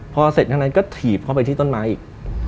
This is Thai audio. พอเสร็จทั้งนั้นก็ถีบเข้าไปที่ต้นไม้อีก